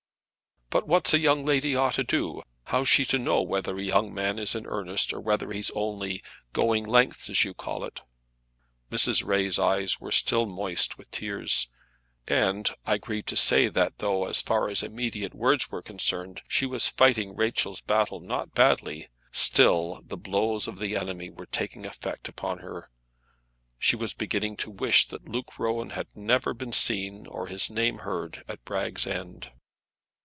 "But what's a young lady to do? How's she to know whether a young man is in earnest, or whether he's only going lengths, as you call it?" Mrs. Ray's eyes were still moist with tears; and, I grieve to say that though, as far as immediate words are concerned, she was fighting Rachel's battle not badly, still the blows of the enemy were taking effect upon her. She was beginning to wish that Luke Rowan had never been seen, or his name heard, at Bragg's End.